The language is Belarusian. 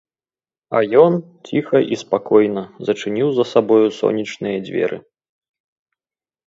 А ён ціха і спакойна зачыніў за сабою сенечныя дзверы.